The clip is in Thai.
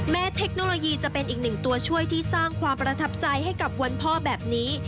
เทคโนโลยีจะเป็นอีกหนึ่งตัวช่วยที่สร้างความประทับใจให้กับวันพ่อแบบนี้